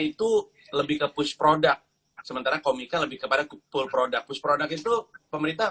itu lebih ke push product sementara komika lebih kepada full product push product itu pemerintah